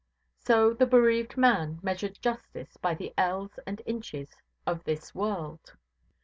So the bereaved man measured justice by the ells and inches of this world.